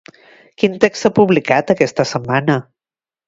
Quin text s'ha publicat aquesta setmana?